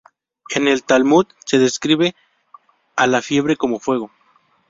En el Talmud, se describe a la fiebre como fuego.